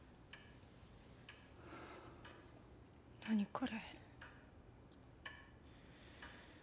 何これ？